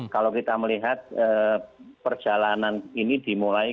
kalau kita melihat perjalanan ini dimulai